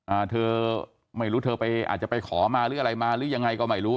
อ่าเธอไม่รู้เธอไปอาจจะไปขอมาหรืออะไรมาหรือยังไงก็ไม่รู้